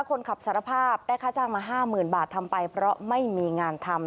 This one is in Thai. คนขับสารภาพได้ค่าจ้างมา๕๐๐๐บาททำไปเพราะไม่มีงานทำ